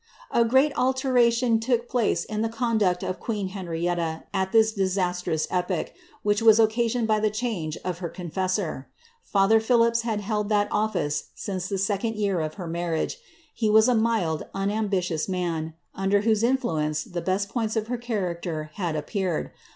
A great alteration took place in the conduct of queen Henrietta at thii disastrous epocli, which was occasioned by the change of her confessor. Father Phillipps had held that office since the second year of her nls^ riage ; he was a mild, unambitious man, under whose influence the boi points of her character had appeared.